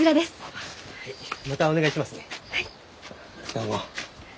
どうも。